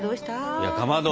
いやかまど！